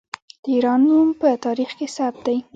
د ایران نوم په تاریخ کې ثبت دی.